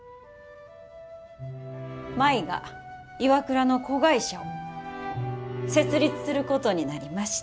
舞がＩＷＡＫＵＲＡの子会社を設立することになりました。